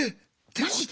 マジで？